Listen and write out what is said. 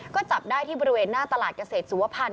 ก็จับได้ที่บริเวณหน้าตลาดเกษตรสุวพันธ